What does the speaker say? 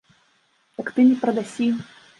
Так ты не прадасі!